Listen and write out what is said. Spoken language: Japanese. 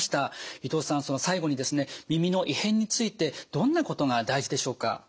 伊藤さん最後にですね耳の異変についてどんなことが大事でしょうか？